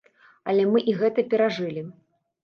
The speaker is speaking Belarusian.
Але мы і гэта перажылі.